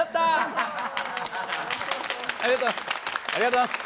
ありがとうございます。